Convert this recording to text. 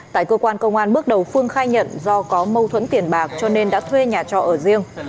tại cơ quan công an bước đầu phương khai nhận do có mâu thuẫn tiền bạc cho nên đã thuê nhà trọ ở riêng